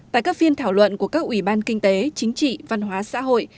tại các phiên thảo luận của các ủy ban kinh tế chính trị văn hóa xã hội